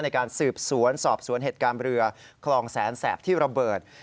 ในการสืบสวนสอบสวนเหตุการณ์เรือคลองแสนแสบที่ระเบิด